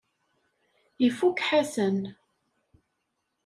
Ifukk Ḥasan.